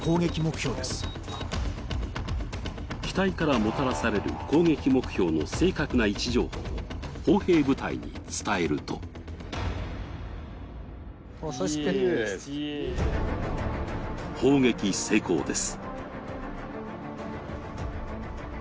機体からもたらされる攻撃目標の正確な位置情報を砲兵部隊に伝えると砲撃成功です。